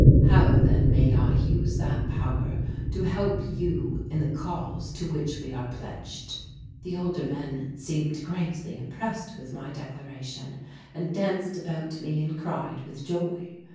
How then may I use that power to help you in the cause to which we are pledged?" The older men seemed greatly impressed with my declaration and danced about me and cried with joy.